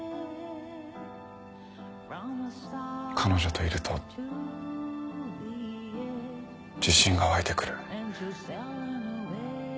彼女といると自信が湧いてくる。